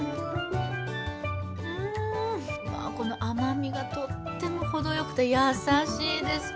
ん、この甘みがとってもほどよくて優しいです。